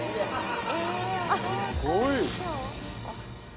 すごい。